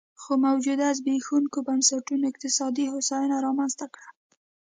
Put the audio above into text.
خو موجوده زبېښونکو بنسټونو اقتصادي هوساینه رامنځته کړه